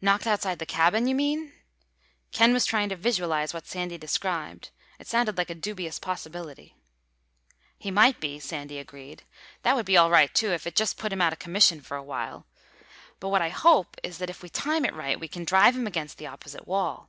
"Knocked outside the cabin, you mean?" Ken was trying to visualize what Sandy described. It sounded like a dubious possibility. "He might be," Sandy agreed. "That would be all right too, if it just put him out of commission for a while. But what I hope is that if we time it right we can drive him against the opposite wall.